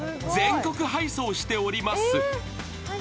全国配送しております。